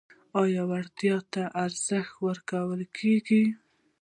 آیا وړتیا ته ارزښت ورکول کیږي؟